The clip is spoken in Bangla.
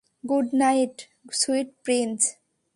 Good night, sweet Prince.